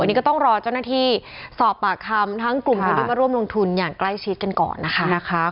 อันนี้ก็ต้องรอเจ้าหน้าที่สอบปากคำทั้งกลุ่มคนที่มาร่วมลงทุนอย่างใกล้ชิดกันก่อนนะคะ